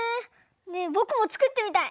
ねえぼくもつくってみたい。